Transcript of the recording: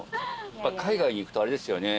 海外に行くとあれですよね